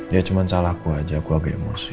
ya cuma salahku aja aku agak emosi